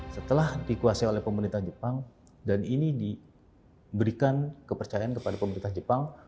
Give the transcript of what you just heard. setelah dikuasai oleh pemerintah jepang dan ini diberikan kepercayaan kepada pemerintah jepang